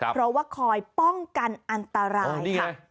เพราะว่าคอยป้องกันอันตรายค่ะ